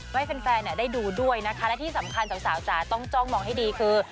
ให้แฟนได้ดูด้วยนะคะและที่สำคัญสาวจ๋าต้องจ้องมองให้ดีคือ